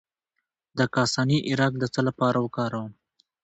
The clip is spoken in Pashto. د کاسني عرق د څه لپاره وکاروم؟